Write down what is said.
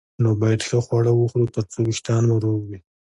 نو باید ښه خواړه وخورو ترڅو وېښتان مو روغ وي